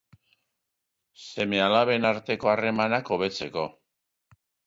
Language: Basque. Seme-alaben arteko harremanak hobetzeko